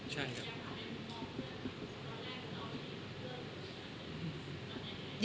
ใช่ครับ